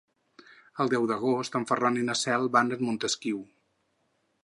El deu d'agost en Ferran i na Cel van a Montesquiu.